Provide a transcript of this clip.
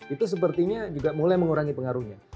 itu sepertinya juga mulai mengurangi pengaruhnya